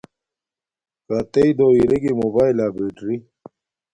کاتݵ دو ارے گی موباݵلہ بیٹری